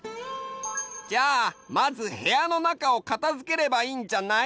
じゃあまずへやのなかを片付ければいいんじゃない？